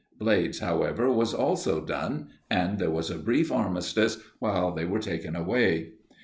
Blades, however, was also done, and there was a brief armistice while they were taken away.